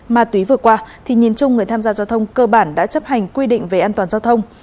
ma túy vừa qua thì nhìn chung người tham gia giao thông cơ bản đã chấp hành quy định về an toàn giao thông